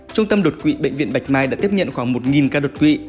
trung tâm đột quỵ bệnh viện bạch mai đã tiếp nhận khoảng một ca đột quỵ